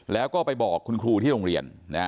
แล้วก็ไปบอกคุณครูที่โรงเรียน